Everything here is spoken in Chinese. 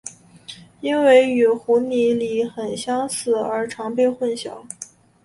因为与湖拟鲤很相似而常被混淆。